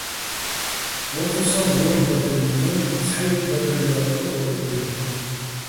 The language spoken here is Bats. ო́ჴუსაჲ ვორ'ლ ბადერ დიენი̆, ცჰ̦აიტტ ბადრეჼ და́დ ვარ ო ლე́ვო̆.